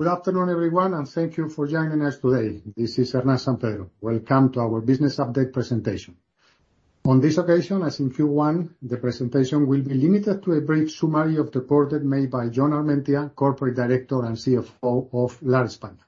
Good afternoon, everyone, and thank you for joining us today. This is Hernán San Pedro. Welcome to our business update presentation. On this occasion, as in Q1, the presentation will be limited to a brief summary of the quarter made by Jon Armentia, Corporate Director and CFO of Lar España.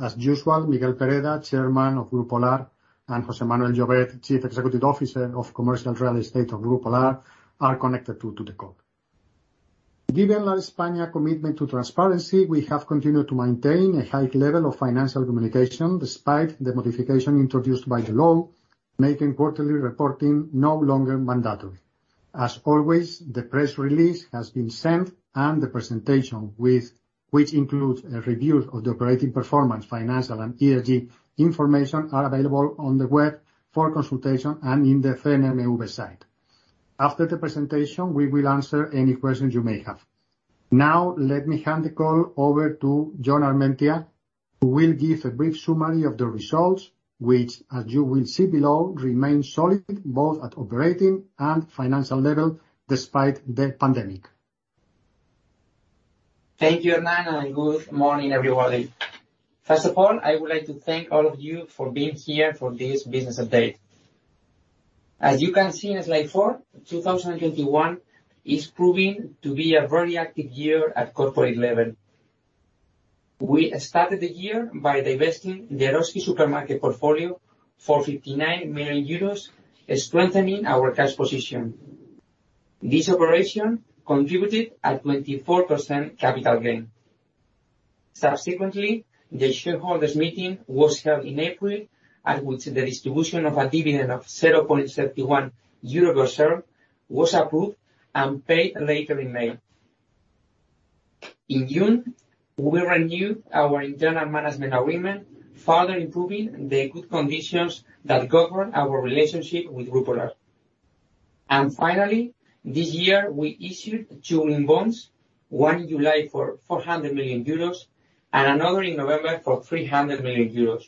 As usual, Miguel Pereda, Chairman of Grupo Lar, and José Manuel Llovet, Chief Executive Officer of Commercial Real Estate of Grupo Lar, are connected, too, to the call. Given Lar España commitment to transparency, we have continued to maintain a high level of financial communication despite the modification introduced by the law making quarterly reporting no longer mandatory. As always, the press release has been sent and the presentation, which includes a review of the operating performance, financial and ESG information, are available on the web for consultation and in the CNMV website. After the presentation, we will answer any questions you may have. Now, let me hand the call over to Jon Armentia, who will give a brief summary of the results, which, as you will see below, remain solid both at operating and financial level despite the pandemic. Thank you, Hernán, and good morning, everybody. First of all, I would like to thank all of you for being here for this business update. As you can see in slide four, 2021 is proving to be a very active year at corporate level. We started the year by divesting the Eroski supermarket portfolio for 59 million euros, strengthening our cash position. This operation contributed a 24% capital gain. Subsequently, the shareholders meeting was held in April, at which the distribution of a dividend of 0.71 euro per share was approved and paid later in May. In June, we renewed our internal management agreement, further improving the good conditions that govern our relationship with Grupo Lar. Finally, this year, we issued two green bonds, one in July for 400 million euros and another in November for 300 million euros,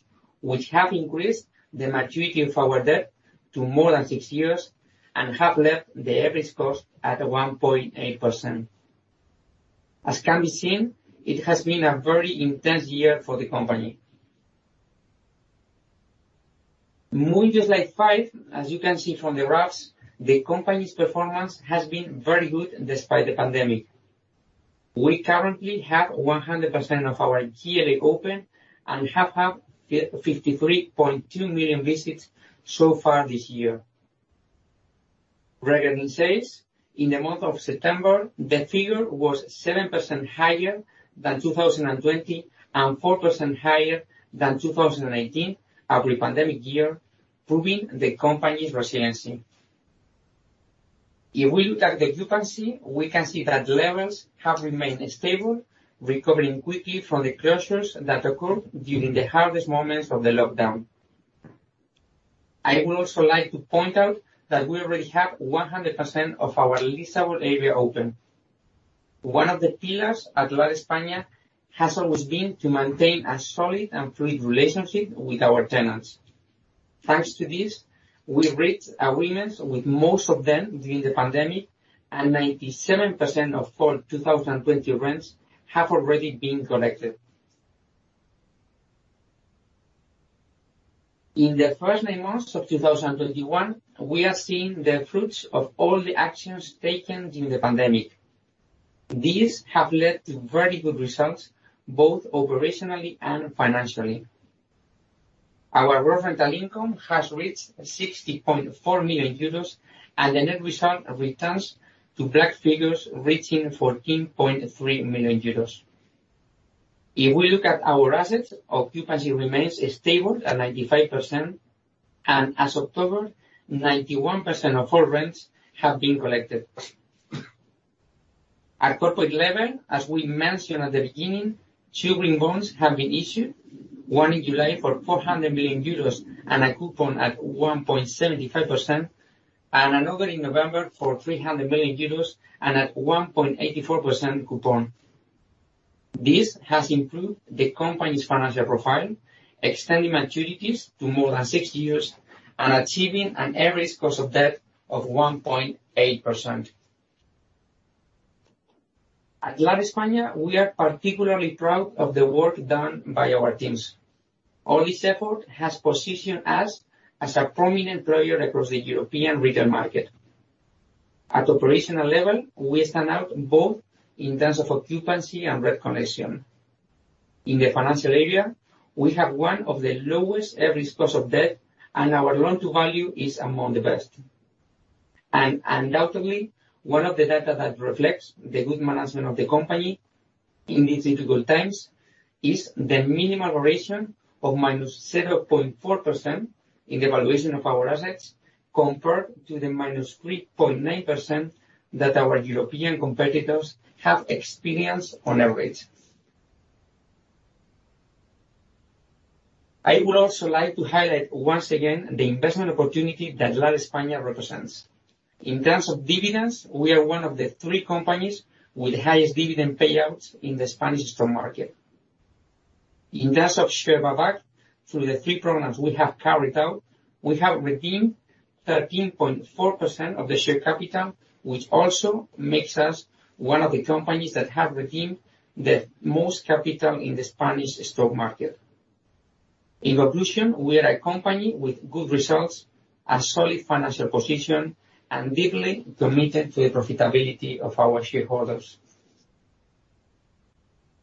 which have increased the maturity of our debt to more than six years and have left the average cost at 1.8%. As can be seen, it has been a very intense year for the company. Moving to slide five, as you can see from the graphs, the company's performance has been very good despite the pandemic. We currently have 100% of our GLA open and have had 53.2 million visits so far this year. Regarding sales, in the month of September, the figure was 7% higher than 2020 and 4% higher than 2018, our pre-pandemic year, proving the company's resiliency. If we look at the occupancy, we can see that levels have remained stable, recovering quickly from the closures that occurred during the hardest moments of the lockdown. I would also like to point out that we already have 100% of our leasable area open. One of the pillars at Lar España has always been to maintain a solid and fluid relationship with our tenants. Thanks to this, we reached agreements with most of them during the pandemic, and 97% of full 2020 rents have already been collected. In the first nine months of 2021, we are seeing the fruits of all the actions taken during the pandemic. These have led to very good results, both operationally and financially. Our gross rental income has reached 60.4 million euros, and the net result returns to black figures, reaching 14.3 million euros. If we look at our assets, occupancy remains stable at 95%, and as of October, 91% of all rents have been collected. At corporate level, as we mentioned at the beginning, two green bonds have been issued, one in July for 400 million euros and a coupon at 1.75%, and another in November for 300 million euros and at 1.84% coupon. This has improved the company's financial profile, extending maturities to more than six years and achieving an average cost of debt of 1.8%. At Lar España, we are particularly proud of the work done by our teams. All this effort has positioned us as a prominent player across the European retail market. At operational level, we stand out both in terms of occupancy and rent collection. In the financial area, we have one of the lowest average cost of debt, and our loan to value is among the best. Undoubtedly, one of the data that reflects the good management of the company in these difficult times is the minimal variation of -0.4% in the valuation of our assets compared to the -3.9% that our European competitors have experienced on average. I would also like to highlight once again the investment opportunity that Lar España represents. In terms of dividends, we are one of the three companies with highest dividend payouts in the Spanish stock market. In terms of share buyback, through the three programs we have carried out, we have redeemed 13.4% of the share capital, which also makes us one of the companies that have redeemed the most capital in the Spanish stock market. In conclusion, we are a company with good results, a solid financial position, and deeply committed to the profitability of our shareholders.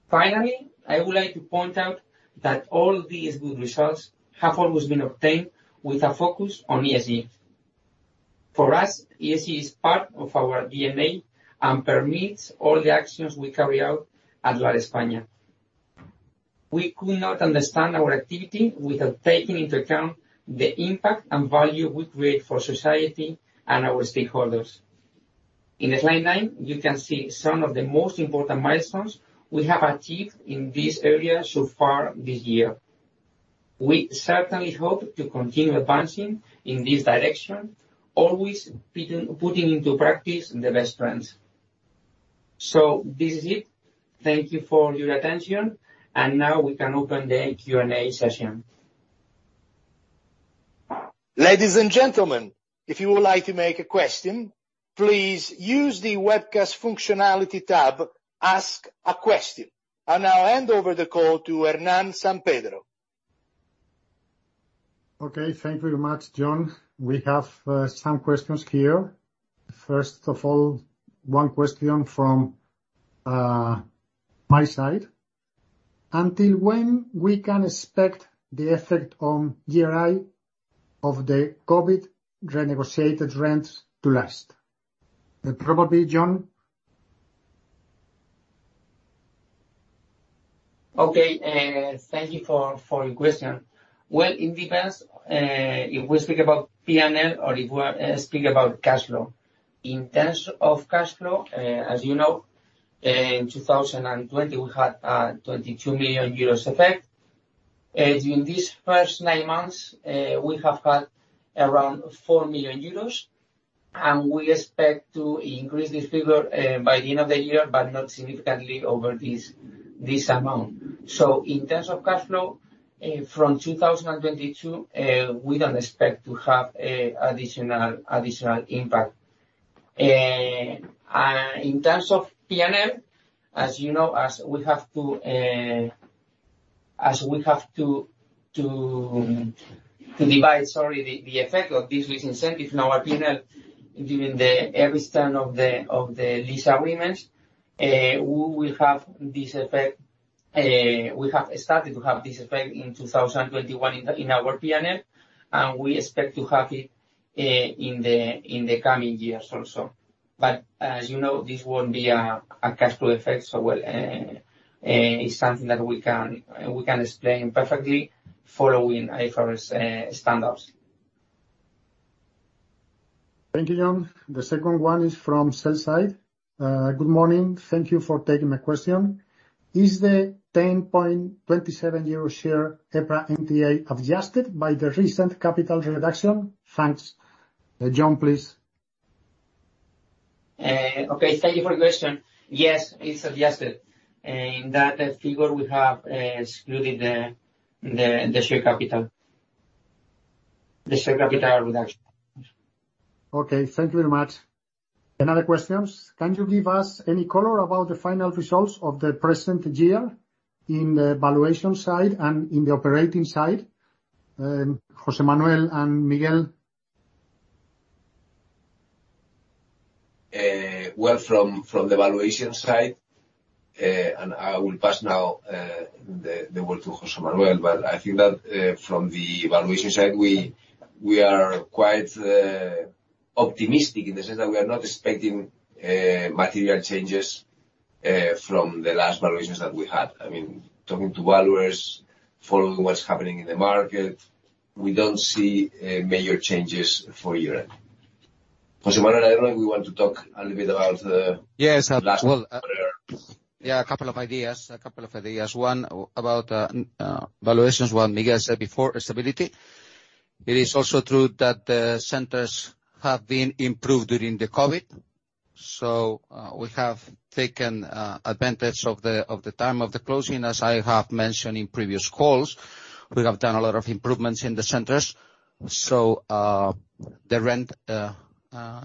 Finally, I would like to point out that all these good results have always been obtained with a focus on ESG. For us, ESG is part of our DNA and permits all the actions we carry out at Lar España. We could not understand our activity without taking into account the impact and value we create for society and our stakeholders. In slide nine, you can see some of the most important milestones we have achieved in this area so far this year. We certainly hope to continue advancing in this direction, always putting into practice the best trends. This is it. Thank you for your attention, and now we can open the Q&A session. Ladies and gentlemen, if you would like to make a question, please use the webcast functionality tab Ask a Question. I now hand over the call to Hernán San Pedro. Okay. Thank you very much, Jon. We have some questions here. First of all, one question from my side. "Until when we can expect the effect on GRI of the COVID renegotiated rents to last?" Probably Jon. Okay. Thank you for your question. Well, it depends if we speak about P&L or if we speak about cash flow. In terms of cash flow, as you know, in 2020, we had 22 million euros effect. As in this first nine months, we have had around 4 million euros, and we expect to increase this figure by the end of the year, but not significantly over this amount. In terms of cash flow, from 2022, we don't expect to have an additional impact. In terms of P&L, as you know, as we have to divide, sorry, the effect of this lease incentive in our P&L during the entire term of the lease agreements, we will have this effect. We have started to have this effect in 2021 in our P&L, and we expect to have it in the coming years also. As you know, this won't be a cash flow effect, so, well, it's something that we can explain perfectly following IFRS standards. Thank you, Jon. The second one is from Sell Side. "Good morning thank you for taking my question. Is the 10.27 euro share EPRA NTA adjusted by the recent capital reduction?" Thanks. Jon, please. Okay. Thank you for your question. Yes, it's adjusted. In that figure we have excluded the share capital. The share capital reduction. Thank you very much. Another question. "Can you give us any color about the final results of the present year in the valuation side and in the operating side?" José Manuel and Miguel. Well, from the valuation side, and I will pass now the work to José Manuel, but I think that from the valuation side, we are quite optimistic in the sense that we are not expecting material changes from the last valuations that we had. I mean, talking to valuers, following what's happening in the market, we don't see major changes for year-end. José Manuel, I don't know if you want to talk a little bit about Yes, well. The last quarter. Yeah, a couple of ideas. One, about valuations, what Miguel said before, stability. It is also true that the centers have been improved during the COVID. We have taken advantage of the time of the closing. As I have mentioned in previous calls, we have done a lot of improvements in the centers. The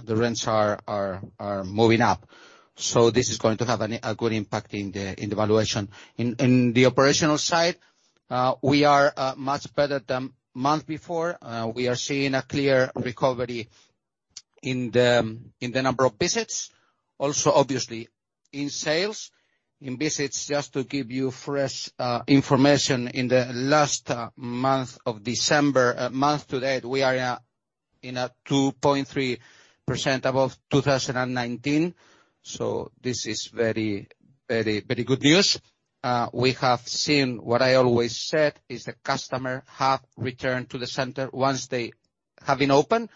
rents are moving up. This is going to have a good impact in the valuation. In the operational side, we are much better than month before. We are seeing a clear recovery in the number of visits, also obviously in sales. In visits, just to give you fresh information, in the last month of December, month to date, we are 2.3% above 2019. This is very good news. We have seen what I always said, is the customer have returned to the center once they have been open.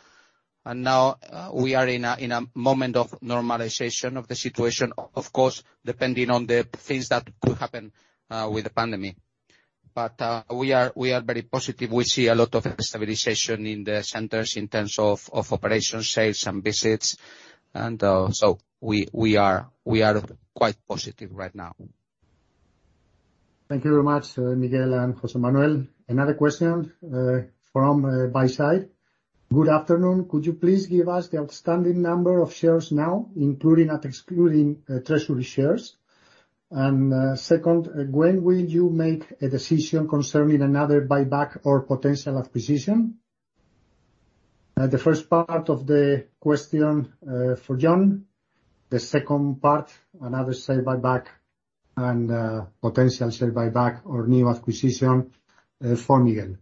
Now, we are in a moment of normalization of the situation, of course, depending on the things that could happen with the pandemic. We are very positive. We see a lot of stabilization in the centers in terms of operations, sales, and visits. We are quite positive right now. Thank you very much, Miguel and José Manuel. Another question from Buy Side. "Good afternoon could you please give us the outstanding number of shares now, including and excluding treasury shares? Second, when will you make a decision concerning another buyback or potential acquisition?" The first part of the question for Jon. The second part, another share buyback and potential share buyback or new acquisition for Miguel.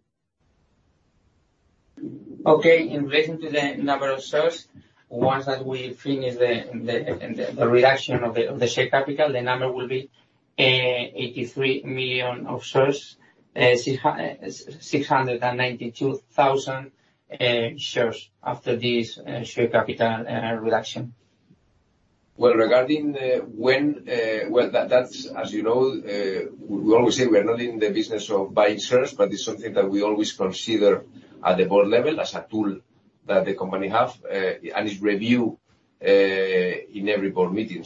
Okay. In relation to the number of shares, once that we finish the reduction of the share capital, the number will be 83 million of shares. 692,000 shares after this share capital reduction. Well, that's as you know, we always say we are not in the business of buying shares, but it's something that we always consider at the board level as a tool that the company have. It's reviewed in every board meeting.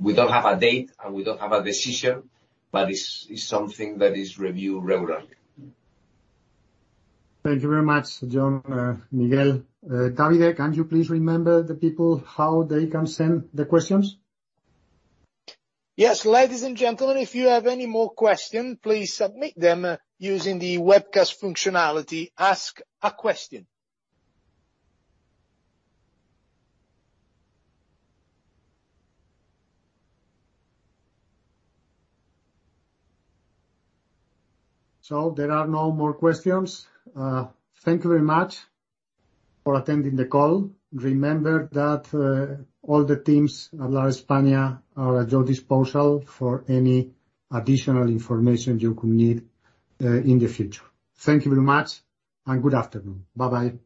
We don't have a date, and we don't have a decision, but it's something that is reviewed regularly. Thank you very much, Jon, Miguel. David, can you please remind the people how they can send the questions? Yes. Ladies and gentlemen, if you have any more question, please submit them using the webcast functionality Ask a Question. There are no more questions. Thank you very much for attending the call. Remember that, all the teams at Lar España are at your disposal for any additional information you could need, in the future. Thank you very much and good afternoon. Bye-bye.